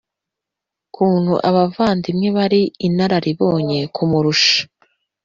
ukuntu abavandimwe bari inararibonye kumurusha